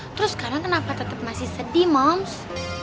terus sekarang kenapa tetep masih sedih mams